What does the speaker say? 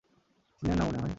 চিনেন না মনে হয়?